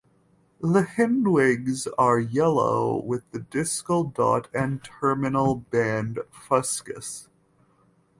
The hindwings are yellow with the discal dot and terminal band fuscous.